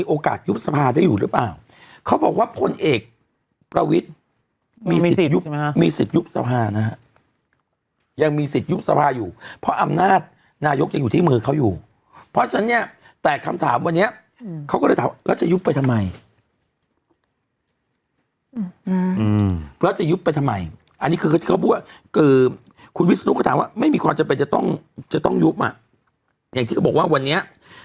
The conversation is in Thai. โอกาสยุบสภาได้อยู่หรือเปล่าเขาบอกว่าผลเอกประวิทธ์มีสิทธิ์ยุบมีสิทธิ์ยุบสภานะฮะยังมีสิทธิ์ยุบสภาอยู่เพราะอำนาจนายกยังอยู่ที่มือเขาอยู่เพราะฉะนั้นเนี่ยแตกคำถามวันนี้อืมเขาก็เลยถามแล้วจะยุบไปทำไมอืมแล้วจะยุบไปทำไมอันนี้คือที่เขาพูดว่าคือคุณวิสนุกก็ถามว่าไม